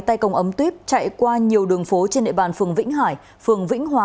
tay công ấm tuyếp chạy qua nhiều đường phố trên địa bàn phường vĩnh hải phường vĩnh hòa